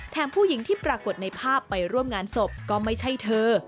ผู้หญิงที่ปรากฏในภาพไปร่วมงานศพก็ไม่ใช่เธอ